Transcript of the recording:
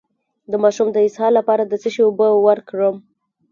د ماشوم د اسهال لپاره د څه شي اوبه ورکړم؟